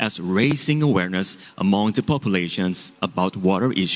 saya ingin mengingatkan semua orang